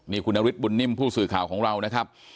นี่คุณนฤทธบุญนิ่มผู้สื่อข่าวของเรานะครับ